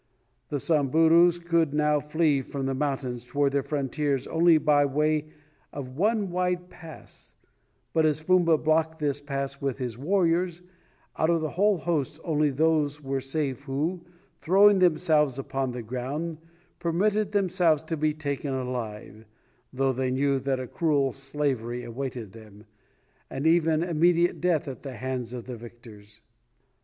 The Samburus could now flee from the mountains towards their frontiers only by way of one wide pass, but as Fumba blocked this pass with his warriors, out of the whole host only those were safe who, throwing themselves upon the ground, permitted themselves to be taken alive, though they knew that a cruel slavery awaited them, or even immediate death at the hands of the victors.